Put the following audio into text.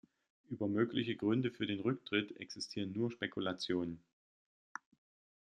Über mögliche Gründe für den Rücktritt existieren nur Spekulationen.